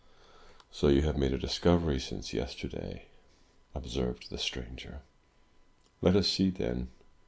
So you have made a discovery, since yesterday?" observed the stranger. "Let us see, then.